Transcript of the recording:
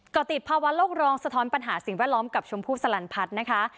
ก็ติดภาวะโลกร้องสะท้อนปัญหาสิ่งแวดล้อมกับชมพู่สลันพัฒน์นะคะ